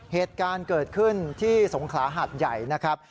เหตุการณ์เกิดขึ้นที่สงขลาหัดใหญ่นะครับ